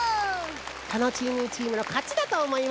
タノチーミーチームのかちだとおもいますよ。